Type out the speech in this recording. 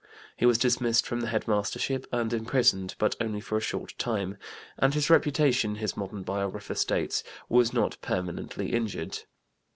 He was dismissed from the head mastership and imprisoned, but only for a short time, "and his reputation," his modern biographer states, "was not permanently injured."